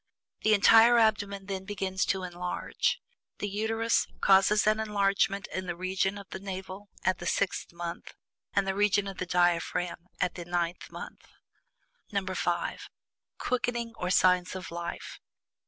The entire abdomen then begins to enlarge. The Uterus causes an enlargement in the region of the navel at the sixth month, and the region of the diaphragm at the ninth month. (5) QUICKENING, OR "SIGNS OF LIFE."